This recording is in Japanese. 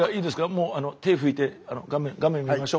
もうあの手拭いて画面見ましょ。